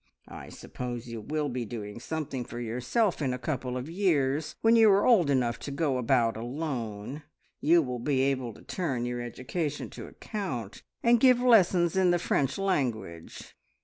I suppose you will be doing something for yourself in a couple of years when you are old enough to go about alone. You will be able to turn your education to account, and give lessons in the French language.